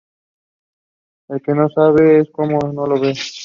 El que no sabe es como el que no ve